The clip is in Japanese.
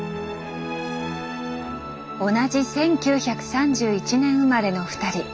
同じ１９３１年生まれの２人。